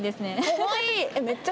かわいい！